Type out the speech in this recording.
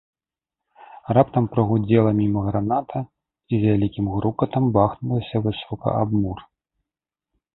Раптам загудзела міма граната і з вялікім грукатам бахнулася высока аб мур.